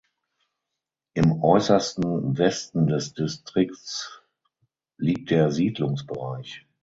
Im äußersten Westen des Distrikts liegt der Siedlungsbereich.